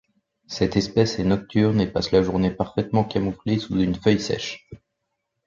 Cette espèce est nocturne et passe la journée parfaitement camouflée sous une feuille sèche.